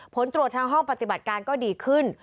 ผลตรวจทางห้องปฏิบัติการก็ดีขึ้น